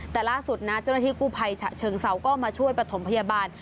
แต่ล่าสุดนะเจ้าหน้าที่กู้ภัยฉะเชิงเซาก็มาช่วยประถมพยาบาล